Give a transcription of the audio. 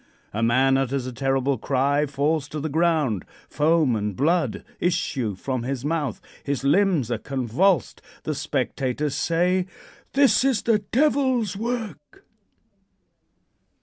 A man utters a terrible cry; falls to the ground; foam and blood issue from his mouth; his limbs are convulsed. The spectators say: "This is the Devil's work."